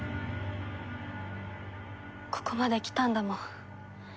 ここまで来たんだもん。